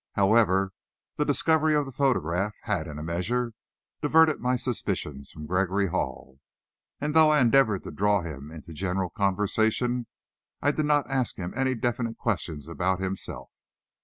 However, the discovery of the photograph had in a measure diverted my suspicions from Gregory Hall; and though I endeavored to draw him into general conversation, I did not ask him any definite questions about himself.